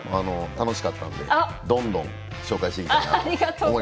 楽しかったのでどんどん紹介したいと思います。